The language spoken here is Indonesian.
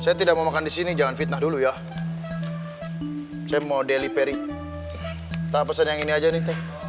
saya tidak mau makan di sini jangan fitnah dulu ya saya mau deli peri kita pesan yang ini aja nih teh